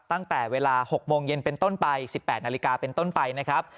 ตั้งแต่เวลา๖โมงเย็นเป็นต้นไป๑๘นาฬิกาเป็นต้นไปนะครับ